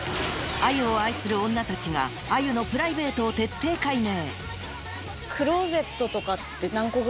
あゆを愛する女たちがあゆのプライベートを徹底解明